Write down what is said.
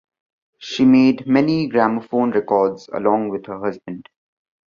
She made many gramophone records along with her husband.